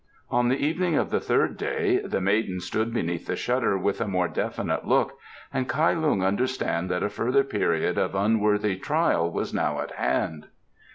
On the evening of the third day the maiden stood beneath the shutter with a more definite look, and Kai Lung understood that a further period of unworthy trial was now at hand.